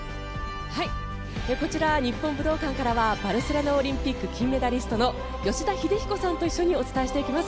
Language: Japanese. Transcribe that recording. こちら日本武道館からはバルセロナオリンピック金メダリストの吉田秀彦さんと一緒にお伝えしていきます。